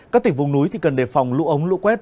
các tỉnh vùng núi thì cần đề phòng lũ ống lũ quét